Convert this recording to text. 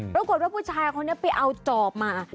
ปรากฏว่าผู้ชายคนนี้ไปเอาจอบมา